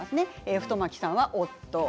太巻さんは夫。